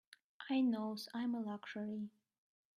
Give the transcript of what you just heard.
I knows I'm a luxury.